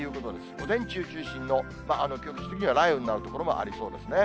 午前中中心の、局地的には雷雨になる所もありそうですね。